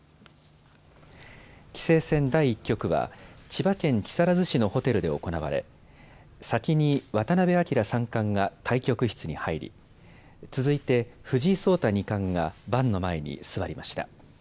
棋聖戦第１局は千葉県木更津市のホテルで行われ先に渡辺明三冠が対局室に入り、続いて藤井聡太二冠が盤の前に座りました。